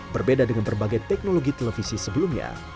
berbeda dengan berbagai teknologi televisi sebelumnya